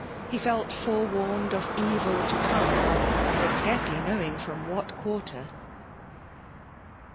He felt forewarned of evil to come^ though scarcely knowing firom what quarter.